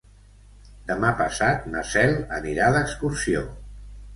Demà passat na Cel anirà d'excursió.